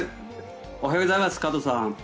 おはようございます、加藤さん。